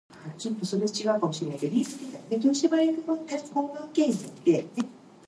These were often covered with sew-on badges representing soul club memberships.